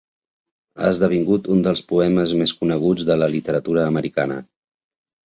Ha esdevingut un dels poemes més coneguts de la literatura americana.